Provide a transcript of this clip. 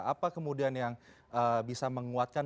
apa kemudian yang bisa menguatkan